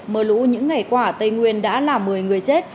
mưa lũ những ngày qua ở tây nguyên đã làm một mươi người chết